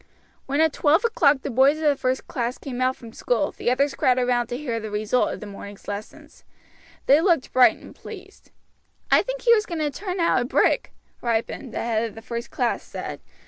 When at twelve o'clock the boys of the first class came out from school the others crowded round to hear the result of the morning's lessons. They looked bright and pleased. "I think he is going to turn out a brick," Ripon, the head of the first class, said.